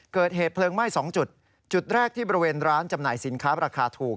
เกิดเหตุเพลิงไหม้๒จุดจุดแรกที่บริเวณร้านจำหน่ายสินค้าราคาถูก